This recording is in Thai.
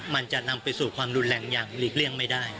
มันจะนำไปสู่ความรุนแรงอย่างหลีกเลี่ยงไม่ได้